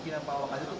tidak tahu saya enggak